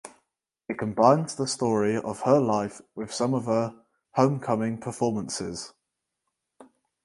It combines the story of her life with some of her Homecoming performances.